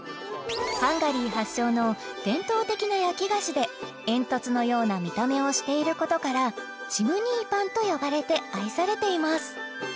ハンガリー発祥の伝統的な焼き菓子でえんとつのような見た目をしていることからチムニーパンと呼ばれて愛されています